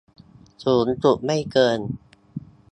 สูงสุดไม่เกิน